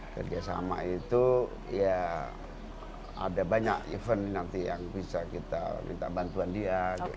kerjasama itu ya ada banyak event nanti yang bisa kita minta bantuan dia